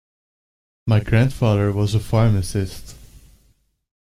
My grandfather was a pharmacist.